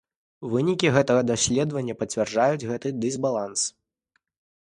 Вынікі гэтага даследавання пацвярджаюць гэты дысбаланс.